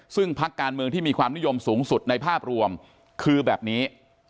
ซึ่งพักการเมืองที่มีความนิยมสูงสุดในภาพรวมคือแบบนี้